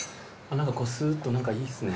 何かこうすーっと何かいいですね。